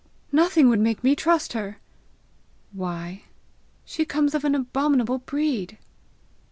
"Nothing would make me trust her!" "Why?" "She comes of an' abominable breed."